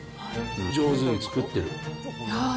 上手に作ってる。